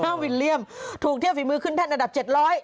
วิลเลี่ยมถูกเทียบฝีมือขึ้นแท่นอันดับเจ็ดร้อย